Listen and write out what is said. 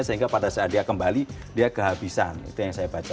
sehingga pada saat dia kembali dia kehabisan itu yang saya baca